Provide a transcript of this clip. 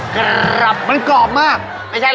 ครับมันกรอบมากไม่ใช่เหรอ